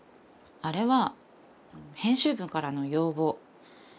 あれは編集部からの要望。